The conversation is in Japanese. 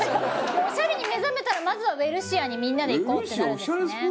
オシャレに目覚めたらまずはウエルシアにみんなで行こうってなるんですね。